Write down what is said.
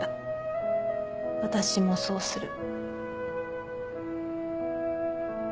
私もそうする。